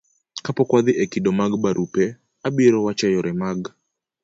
kapok wadhi e kido mag barupe, abiro wacho yore mag